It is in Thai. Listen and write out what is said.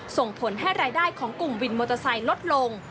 ส่งผลให้รายได้ของกลุ่มวินมอเตอร์ไซค์ลดลง